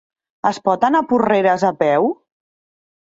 Es pot anar a Porreres a peu?